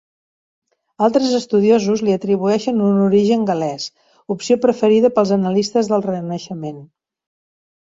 Altres estudiosos li atribueixen un origen gal·lès, opció preferida pels analistes del renaixement.